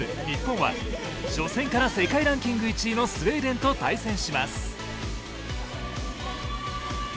日本は初戦から世界ランキング１位のスウェーデンと対戦します。